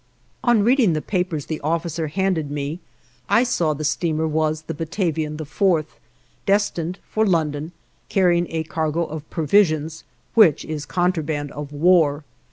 On reading the papers the officer handed me, I saw the steamer was the "Batavian IV," destined for London, carrying a cargo of provisions, which is contraband of war.